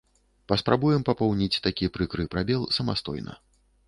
Паспрабуем папоўніць такі прыкры прабел самастойна.